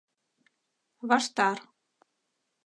Ваштар.